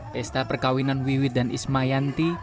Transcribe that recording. pesta perkawinan wiwi dan ismayanti